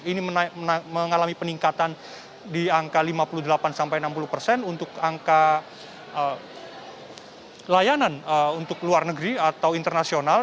ini mengalami peningkatan di angka lima puluh delapan sampai enam puluh persen untuk angka layanan untuk luar negeri atau internasional